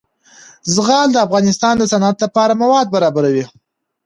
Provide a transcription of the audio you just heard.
زغال د افغانستان د صنعت لپاره مواد برابروي.